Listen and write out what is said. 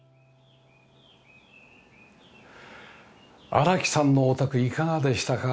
荒木さんのお宅いかがでしたか？